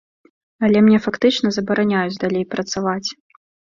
Але мне фактычна забараняюць далей працаваць.